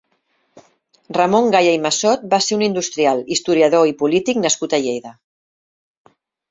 Ramon Gaya i Massot va ser un industrial, historiador i polític nascut a Lleida.